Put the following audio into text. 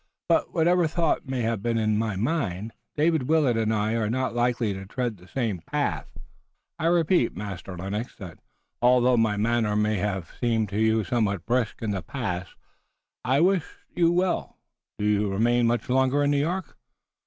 But, whatever thought may have been in my mind, David Willet and I are not likely to tread the same path. I repeat, Master Lennox, that although my manner may have seemed to you somewhat brusque in the past, I wish you well. Do you remain much longer in New York?"